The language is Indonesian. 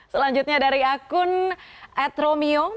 selanjutnya dari akun atromiong